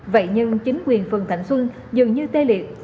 vậy nhưng chính quyền phường thạnh xuân dường như tê liệt